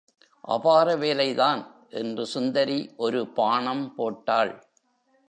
அபார வேலை தான்! என்று சுந்தரி ஒரு பாணம் போட்டாள்.